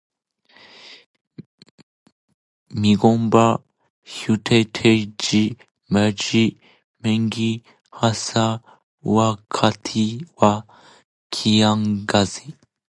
Migomba huhitaji maji mengi, hasa wakati wa kiangazi.